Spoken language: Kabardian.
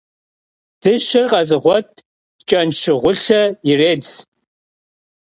Dışer khezığuet ç'enşşığulhe yirêdze.